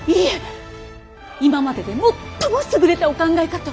今まででもっとも優れたお考えかと！